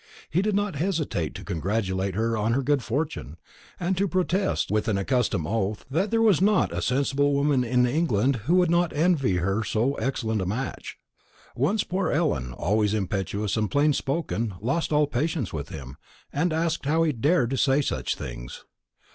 He did not hesitate to congratulate her on her good fortune, and to protest, with an accustomed oath, that there was not a sensible woman in England who would not envy her so excellent a match. Once poor Ellen, always impetuous and plain spoken, lost all patience with him, and asked how he dared to say such things.